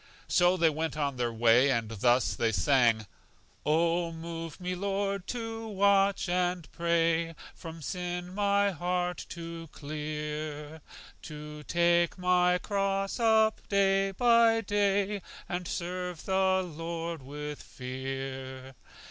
So they went on their way, and thus they sang: "O move me, Lord, to watch and pray, From sin my heart to clear; To take my cross up day by day, And serve the Lord with fear."